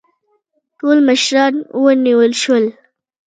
ټول مشران ونیول شول.